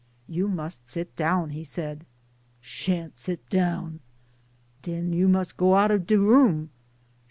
" You must sit down," he said. " Shan't sit down 1 "" Den you must go out of de room."